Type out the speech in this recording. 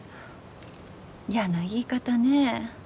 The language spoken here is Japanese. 嫌な言い方ね